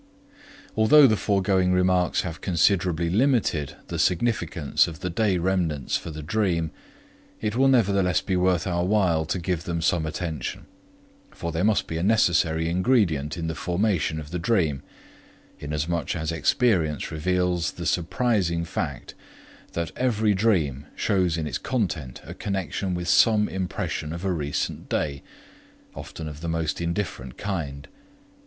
Although the foregoing remarks have considerably limited the significance of the day remnants for the dream, it will nevertheless be worth our while to give them some attention. For they must be a necessary ingredient in the formation of the dream, inasmuch as experience reveals the surprising fact that every dream shows in its content a connection with some impression of a recent day, often of the most indifferent kind.